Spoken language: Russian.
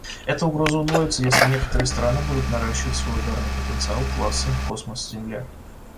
Эта угроза удвоится, если некоторые страны будут наращивать свой ударный потенциал класса "космос-земля".